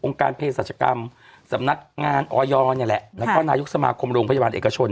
องค์การเพจสัชกรรมสำนักงานออยแล้วก็นายุคสมาคมโรงพยาบาลเอกชน